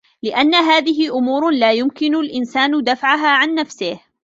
لِأَنَّ هَذِهِ أُمُورٌ لَا يُمْكِنُ الْإِنْسَانُ دَفْعَهَا عَنْ نَفْسِهِ